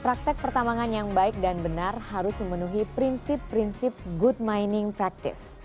praktek pertambangan yang baik dan benar harus memenuhi prinsip prinsip good mining practice